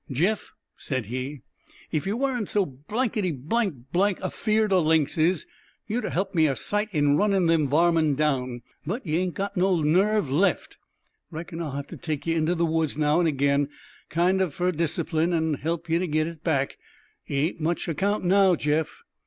"Jeff," said he, "if ye warn't so blankety blank blank afeerd o' lynxes, ye'd help me a sight in runnin' them varmin down. But ye ain't got no nerve left. Reckon I'll have to take ye into the woods now an' ag'in, kind of fur discipline, an' help ye to git it back. Ye ain't much account now, Jeff."